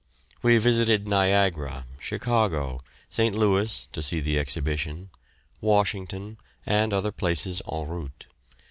We visited Niagara, Chicago, St. Louis (to see the Exhibition), Washington, and other places en route.